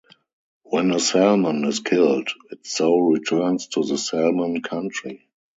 When a salmon is killed, its soul returns to the salmon country.